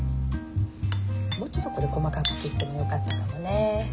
もうちょっとこれ細かく切ってもよかったかもね。